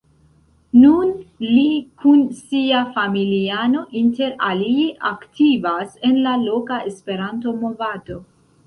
Nun li kun sia familiano inter alie aktivas en la loka Esperanto-movado.